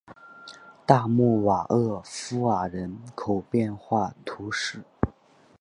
大穆瓦厄夫尔人口变化图示